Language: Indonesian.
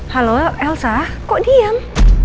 halo elsa kok diam